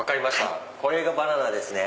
これがバナナですね。